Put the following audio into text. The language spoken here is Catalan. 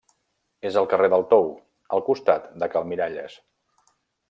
És al carrer del Tou, al costat de cal Miralles.